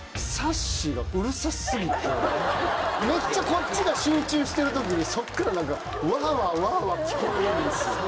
めっちゃこっちが集中してる時にそっから何かわわわわ聞こえるんですよ。